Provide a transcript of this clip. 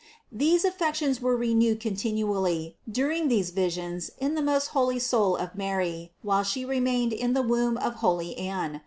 These affections were renewed continually during these visions in the most holy soul of Mary while She remained in the womb of holy Anne.